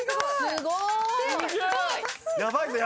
すごい。